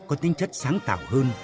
có tính chất sáng tạo hơn